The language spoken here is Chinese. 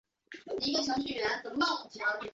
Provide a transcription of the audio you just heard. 赤茎藓为塔藓科赤茎藓属下的一个种。